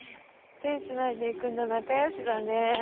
手つないでいくんだ、仲よしだね。